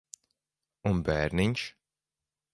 Un bērniņš?